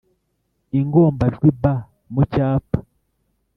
- ingombajwi b mu cyapa,